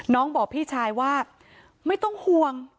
น้องบอกพี่ชายว่าไม่ต้องห่วง